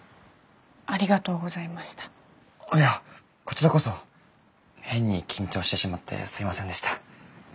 いやこちらこそ変に緊張してしまってすいませんでした。